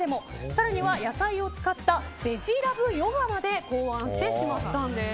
更には野菜を使ったベジラブヨガまで考案してしまったんです。